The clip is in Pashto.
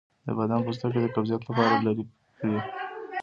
د بادام پوستکی د قبضیت لپاره لرې کړئ